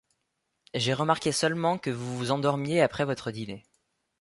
J'ai remarqué seulement que vous vous endormiez après votre dîner.